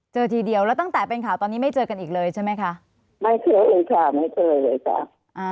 ทีเดียวแล้วตั้งแต่เป็นข่าวตอนนี้ไม่เจอกันอีกเลยใช่ไหมคะไม่เคยเลยค่ะไม่เคยเลยค่ะ